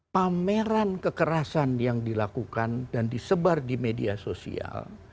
pameran kekerasan yang dilakukan dan disebar di media sosial